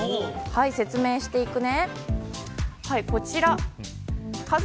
説明していくね。